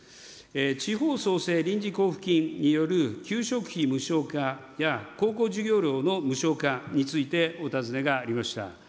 地方創生臨時交付金による給食費無償化や、高校授業料の無償化についてお尋ねがありました。